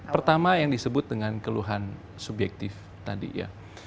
pertama yang disebut dengan keluhan subjektif tadi ya